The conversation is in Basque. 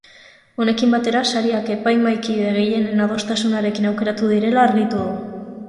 Honekin batera, sariak epaimahaikide gehienen adostasunarekin aukeratu direla argitu du.